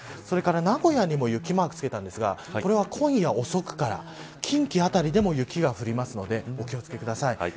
それから名古屋にも雪マークをつけましたが今夜遅くから、近畿辺りでも雪が降るのでお気を付けください。